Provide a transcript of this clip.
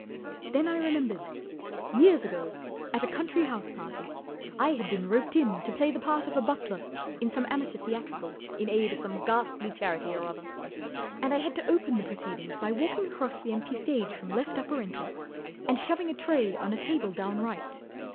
Then I remembered. Years ago, at a country house party, I had been roped in to play the part of a butler in some amateur theatricals in aid of some ghastly charity or other ; and I had had to open the proceedings by walking across the empty stage from left upper entrance and shoving a tray on a table down right.